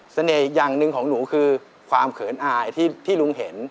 อีกอย่างหนึ่งของหนูคือความเขินอายที่ลุงเห็น